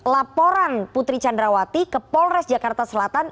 laporan putri candrawati ke polres jakarta selatan